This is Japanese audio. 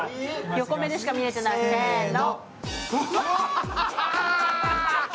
横目でしか見えてないけど、せーの！